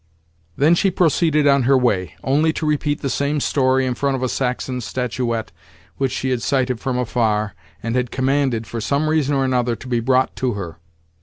Then she proceeded on her way—only to repeat the same story in front of a Saxon statuette which she had sighted from afar, and had commanded, for some reason or another, to be brought to her.